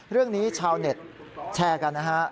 เรื่องนี้ชาวเน็ตแชร์กันนะฮะ